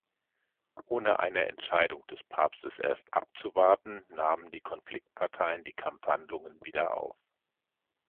Ohne eine Entscheidung des Papstes erst abzuwarten nahmen die Konfliktparteien die Kampfhandlungen wieder auf.